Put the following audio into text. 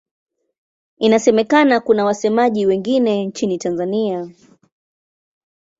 Inasemekana kuna wasemaji wengine nchini Tanzania.